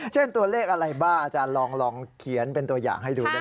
ตัวเลขอะไรบ้างอาจารย์ลองเขียนเป็นตัวอย่างให้ดูได้